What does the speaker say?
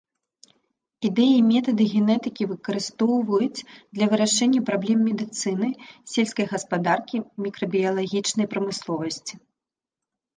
Ідэі і метады генетыкі выкарыстоўваюць для вырашэння праблем медыцыны, сельскай гаспадаркі, мікрабіялагічнай прамысловасці.